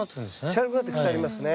茶色くなって腐りますね。